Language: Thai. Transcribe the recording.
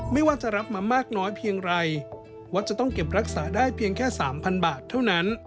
ไม่ว่าจะรับมามากน้อยเพียงไรวัดจะต้องเก็บรักษาได้เพียงแค่๓๐๐บาทเท่านั้น